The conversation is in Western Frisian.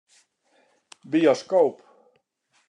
Bioskoop.